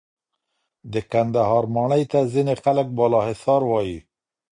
د کندهار ماڼۍ ته ځینې خلک بالاحصار وایې.